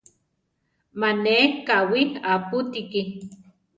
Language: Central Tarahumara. ¡Ma neʼé káwi apútiki!